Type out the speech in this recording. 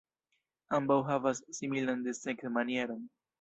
Ambaŭ havas similan desegn-manieron.